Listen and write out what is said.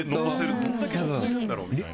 どんだけ振ってるんだろう？みたいな。